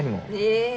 え！